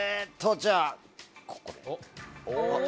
じゃあここで。